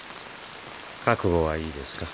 覚悟はいいですか？